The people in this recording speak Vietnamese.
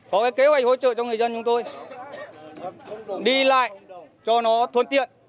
có cái kế hoạch hỗ trợ cho người dân chúng tôi đi lại cho nó thuận tiện